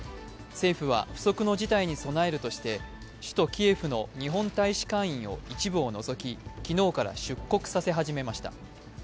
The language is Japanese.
政府は不測の事態に備えるとして首都キエフの日本大使館員を一部を除き昨日から出国させ始めました。